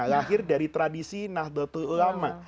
lahir dari tradisi nahdlatul ulama